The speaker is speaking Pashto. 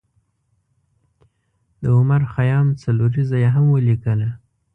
د عمر خیام څلوریځه یې هم ولیکله.